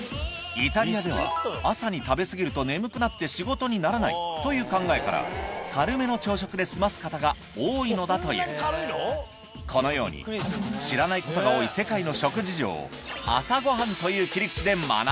イタリアでは朝に食べ過ぎると眠くなって仕事にならないという考えから軽めの朝食で済ます方が多いのだというこのように知らないことが多いいやいや。